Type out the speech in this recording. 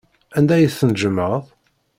Anda ay ten-tjemɛeḍ?